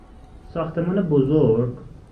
ساختمان بزرگ